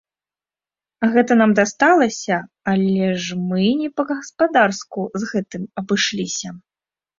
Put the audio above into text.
Гэта нам дасталася, але ж мы не па-гаспадарску з гэтым абышліся.